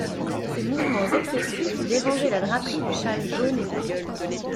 Ces mouvements excessifs dérangeaient la draperie du châle jaune et pourpre.